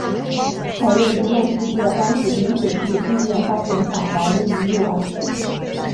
采用一洞四机的方式引水式地面发电厂房位于右岸。